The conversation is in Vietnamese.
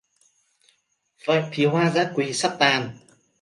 Vậy thì hoa dã quỳ sắp tàn